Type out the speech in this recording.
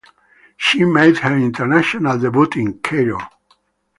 She made her international debut in Cairo.